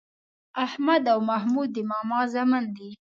احمد او محمود د ماما زامن دي